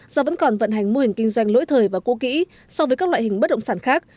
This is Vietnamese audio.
do vẫn còn vận hành mô hình kinh doanh lỗi thời và cũ kỹ so với các loại hình bất động sản khác